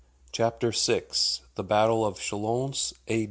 CHAPTER VI THE BATTLE OF CHALONS, A.